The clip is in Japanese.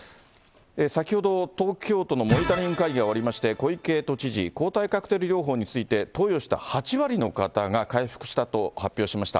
先ほど、東京都のモニタリング会議が終わりまして、小池都知事、抗体カクテル療法について、投与した８割の方が回復したと発表しました。